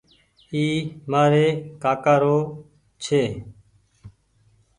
اي مآري ڪآڪآ رو ڇي۔